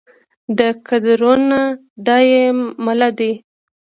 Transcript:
دا کدرونه دا يې مله دي